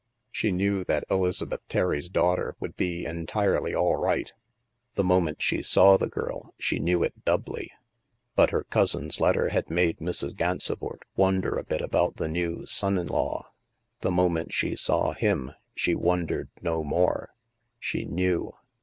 She knew that Elizabeth Terry's daugh ter would be entirely " all right "; the moment she saw the girl, she knew it doubly. But her cousin's letter had made Mrs. Gansevoort wonder a bit about the new son in law; the moment she saw him she wondered no more. She knew.